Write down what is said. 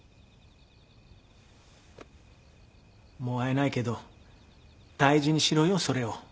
もう会えないけど大事にしろよそれを。